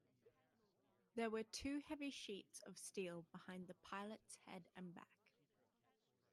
There were two heavy sheets of steel behind the pilot's head and back.